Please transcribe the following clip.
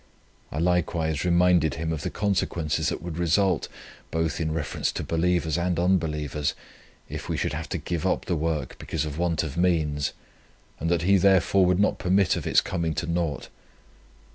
I likewise reminded Him of the consequences that would result, both in reference to believers and unbelievers, if we should have to give up the work because of want of means, and that He therefore would not permit of its coming to nought.